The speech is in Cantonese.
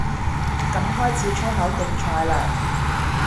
噉開始粗口競賽嘞